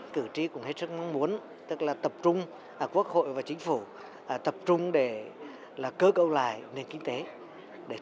cử tri cũng hết sức mong muốn tập trung quốc hội và chính phủ tập trung để cơ cầu lại nền kinh tế